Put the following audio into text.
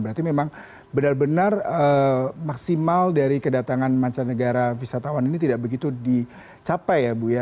berarti memang benar benar maksimal dari kedatangan mancanegara wisatawan ini tidak begitu dicapai ya bu ya